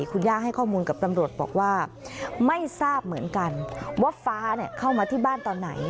คุณย่าให้ข้อมูลกับตำรวจบอกว่าไม่ทราบเหมือนกันว่าฟ้าเข้ามาที่บ้านตอนไหน